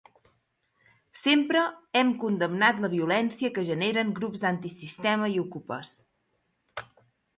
Sempre hem condemnat la violència que generen grups antisistema i okupes.